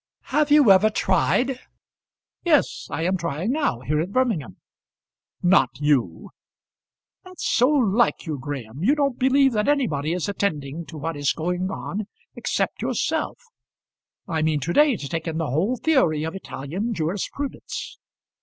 "Have you ever tried?" "Yes; I am trying now, here at Birmingham." "Not you." "That's so like you, Graham. You don't believe that anybody is attending to what is going on except yourself. I mean to day to take in the whole theory of Italian jurisprudence."